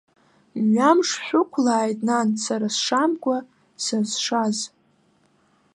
Мҩамш шәықәлааит, нан, сара сшамкәа сызшаз.